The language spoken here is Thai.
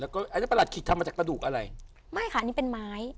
แล้วก็อันนี้ประหลัดขิกทำมาจากกระดูกอะไรไม่ค่ะอันนี้เป็นไม้